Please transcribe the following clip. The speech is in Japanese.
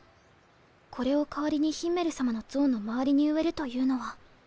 これを代わりにヒンメル様の像の周りに植えるというのは。